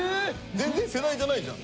全然世代じゃないじゃん。